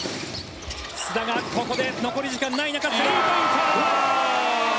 須田がここで残り時間がない中スリーポイント！